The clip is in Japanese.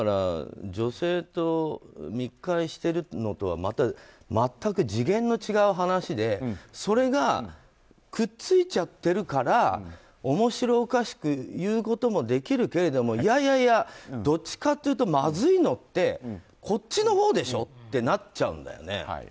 女性と密会してるのとはまた全く次元が違う話でそれがくっついちゃっているから面白おかしく言うこともできるけれどもいやいや、どっちかというとまずいよってこっちのほうでしょってなっちゃうんだよね。